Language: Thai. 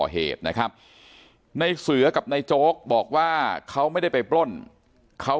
เหตุนะครับในเสือกับนายโจ๊กบอกว่าเขาไม่ได้ไปปล้นเขา